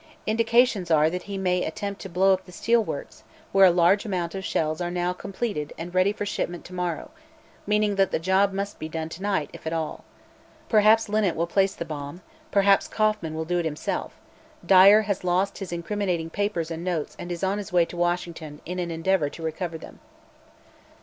Indications are that he may attempt to blow up the steel works, where a large amount of shells are now completed and ready for shipment to morrow meaning that the job must be done to night, if at all. Perhaps Linnet will place the bomb; perhaps Kauffman will do it himself. Dyer has lost his incriminating papers and notes and is on his way to Washington in an endeavor to recover them.